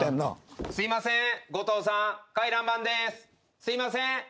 すいません。